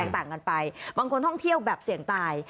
ต่างกันไปบางคนท่องเที่ยวแบบเสี่ยงตาย